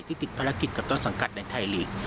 ติดภารกิจกับต้นสังกัดในไทยลีก